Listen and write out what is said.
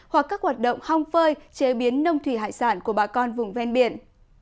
hoặc các hoạt động hong phơi chế biến nông thủy hải sản của bà con vùng ven biển